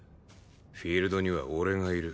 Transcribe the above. フィールドには俺がいる。